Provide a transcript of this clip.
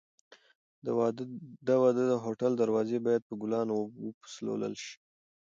د واده د هوټل دروازې باید په ګلانو وپسولل شي.